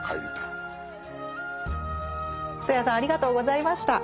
戸谷さんありがとうございました。